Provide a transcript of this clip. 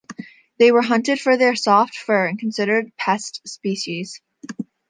They were hunted for their soft fur and considered a pest species.